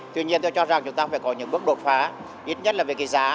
tuy nhiên tôi cho rằng chúng ta phải có những bước đột phá ít nhất là về cái giá